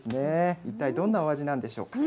一体どんなお味なんでしょうか。